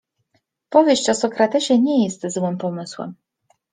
„Powieść o Sokratesie nie jest złym pomysłem.